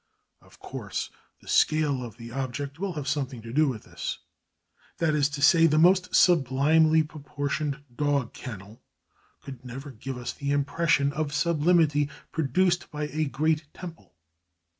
Of course the scale of the object will have something to do with this. That is to say, the most sublimely proportioned dog kennel could never give us the impression of sublimity produced by a great temple.